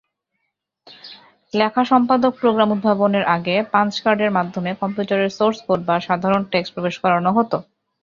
লেখা সম্পাদক প্রোগ্রাম উদ্ভাবনের আগে পাঞ্চ কার্ডের মাধ্যমে কম্পিউটারে সোর্স কোড বা সাধারণ টেক্সট প্রবেশ করানো হত।